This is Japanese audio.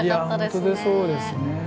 いや本当にそうですね。